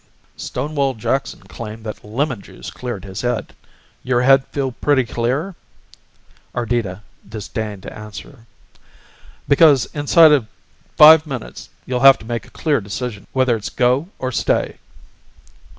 "Hm," he said, "Stonewall Jackson claimed that lemon juice cleared his head. Your head feel pretty clear?" Ardita disdained to answer. "Because inside of five minutes you'll have to make a clear decision whether it's go or stay."